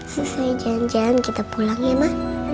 susahnya jalan jalan kita pulang ya ma